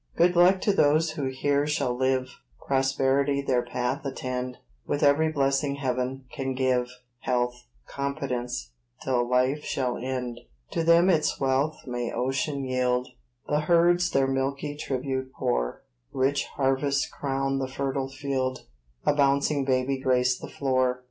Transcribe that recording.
Good luck to those who here shall live, Prosperity their path attend, With every blessing Heaven can give Health, competence, till life shall end. To them its wealth may ocean yield, The herds their milky tribute pour; Rich harvests crown the fertile field, A bouncing baby grace the floor.